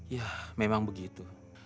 ya memang begitu